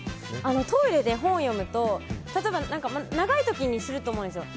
トイレで本を読むと、例えば長い時にすると思うんですよ。